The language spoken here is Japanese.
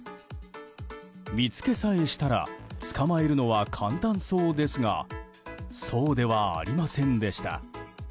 見つけさえしたら捕まえるのは簡単そうですがそうではありませんでした。